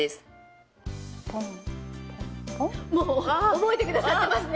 覚えてくださってますね。